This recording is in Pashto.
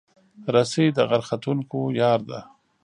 رسۍ د غر ختونکو یار ده.